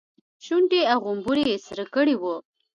شونډې او غومبري يې سره کړي وو.